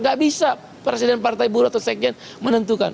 gak bisa presiden partai buruh atau sekjen menentukan